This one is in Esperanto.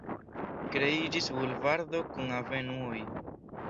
Kreiĝis bulvardo kun avenuoj.